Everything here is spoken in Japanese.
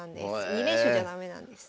２連勝じゃ駄目なんですね。